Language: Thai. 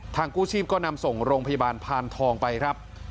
กู้ชีพก็นำส่งโรงพยาบาลพานทองไปครับ